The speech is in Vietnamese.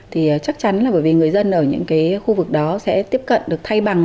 thì chắc chắn là bởi vì người dân ở những cái khu vực đó sẽ tiếp cận được thay bằng